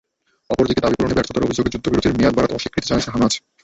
অপর দিকে দাবি পূরণে ব্যর্থতার অভিযোগে যুদ্ধবিরতির মেয়াদ বাড়াতে অস্বীকৃতি জানিয়েছে হামাস।